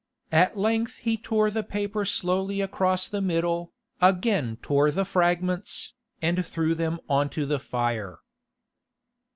At length he tore the paper slowly across the middle, again tore the fragments, and threw them on to the fire.